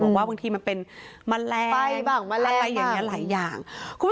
บอกว่าบางทีมันเป็นแมลงอะไรอย่างนี้หลายอย่าง